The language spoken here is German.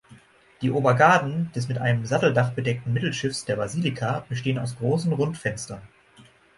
Die Obergaden des mit einem Satteldach bedeckten Mittelschiffs der Basilika bestehen aus großen Rundfenstern.